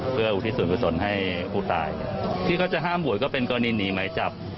เพื่ออุทิศส่วนกุศลให้ผู้ตายที่เขาจะห้ามบวชก็เป็นกรณีหนีไหมจับ